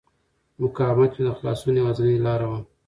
مقاومت مې د خلاصون یوازینۍ لاره وه.